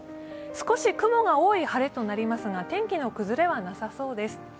少し雲が多い晴れとなりますが天気の崩れはなさそうです。